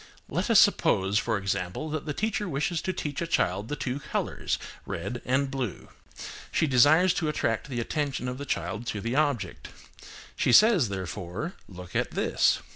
Let us suppose, for example, that the teacher wishes to teach to a child the two colours, red and blue. She desires to attract the attention of the child to the object. She says, therefore, "Look at this."